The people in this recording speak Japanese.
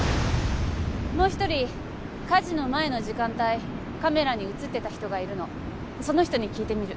もう１人火事の前の時間帯カメラに写ってた人がいるのその人に聞いてみる